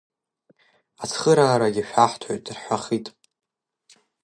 Ацхыраарагьы шәаҳҭоит, рҳәахит…